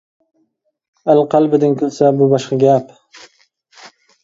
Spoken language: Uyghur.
ئەل قەلبىدىن كۈلسە بۇ باشقا گەپ.